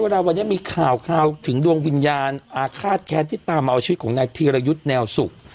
เวลาวันนี้มีข่าวถึงดวงวิญญาณอาฆาตแค้นที่ตามมาเอาชีวิตของนายธีรยุทธ์แนวสุข